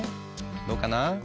どうかな？